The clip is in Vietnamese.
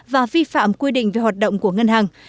và vi phạm quy định về hoạt động của ngân hàng